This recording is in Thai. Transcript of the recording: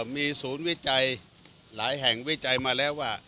มีศูนย์วิจัยหลายแห่งวิจัยมาแล้วว่า